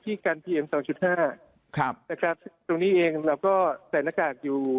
กันเพียงสองจุดห้าครับนะครับตรงนี้เองเราก็ใส่หน้ากากอยู่